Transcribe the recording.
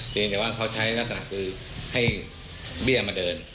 พี่หรือเปล่าใช่พี่หรือเปล่า